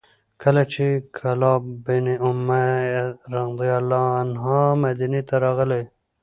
کله چې کلاب بن امیة رضي الله عنه مدینې ته راغی،